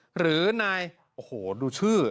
หรือนายโอ้โหดูชื่อ